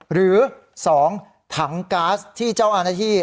หรือ๒ถังก๊าซที่เจ้าหน้าที่